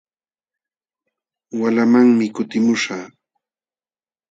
Walamanmi kutimuśhaq.